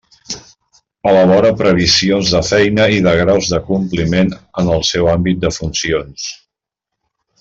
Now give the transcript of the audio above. Elabora previsions de feina i de graus de compliment, en el seu àmbit de funcions.